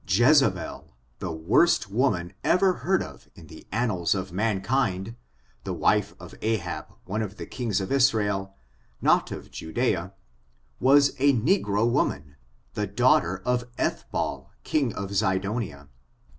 Jezebel, the worst woman ever heard of in the annals of mankind, the wife of Ahab, one of the kings of Israel, not of Judea, was a negro woman, the daughter of Ethball, king of Zidonia.